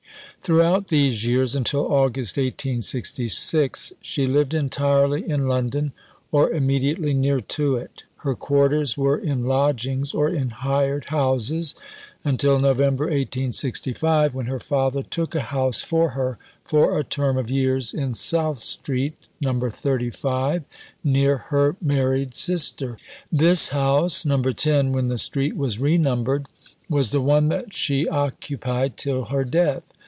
Throughout these years, until August 1866, she lived entirely in London or immediately near to it. Her quarters were in lodgings or in hired houses, until November 1865, when her father took a house for her for a term of years in South Street (No. 35), near her married sister. This house (No. 10 when the street was renumbered) was the one that she occupied till her death.